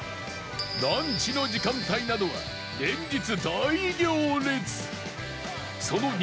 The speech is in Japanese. ランチの時間帯などは連日大行列